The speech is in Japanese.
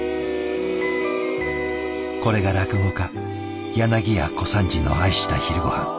これが落語家柳家小三治の愛した昼ごはん